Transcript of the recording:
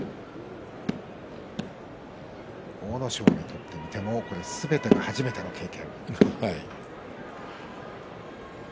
阿武咲にとってみてもすべてが初めての経験。